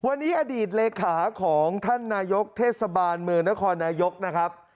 วันนี้อดีตเลขาของท่านนายกเทศบาลเมืองนครนายกนะครับ